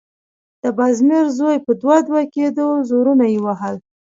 د بازمير زوی په دوه_ دوه کېده، زورونه يې وهل…